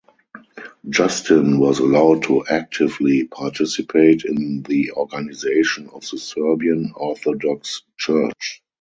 Justin was allowed to actively participate in the organization of the Serbian Orthodox Church.